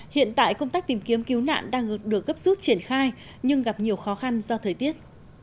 hiện tại công tác tìm kiếm cứu nạn đang được gấp rút triển khai nhưng gặp nhiều khó khăn do thời tiết